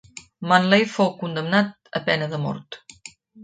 Munley fou condemnat a pena de mort.